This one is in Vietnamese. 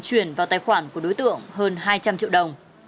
chuyển vào tài khoản của đối tượng hơn hai trăm linh triệu đồng